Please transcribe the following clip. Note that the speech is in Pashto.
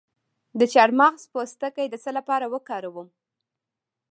د چارمغز پوستکی د څه لپاره وکاروم؟